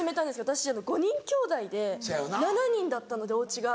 私５人きょうだいで７人だったのでおうちが。